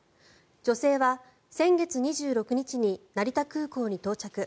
女性は先月２６日に成田空港に到着。